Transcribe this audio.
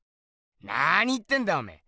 なに言ってんだおめえ。